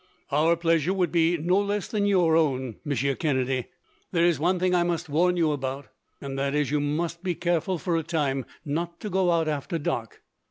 "Our pleasure would be no less than your own, Monsieur Kennedy. "There is one thing I must warn you about, and that is, you must be careful for a time not to go out after dark.